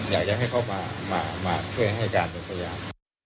อยากจะให้เขามาช่วยให้การเป็นพยาน